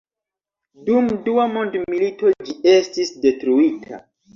Dum Dua mondmilito ĝi estis detruita.